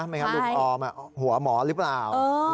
ไม่งั้นลุงออมหัวหมอหรือเปล่า